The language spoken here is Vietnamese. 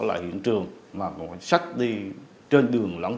khiến nạn nhân tử vong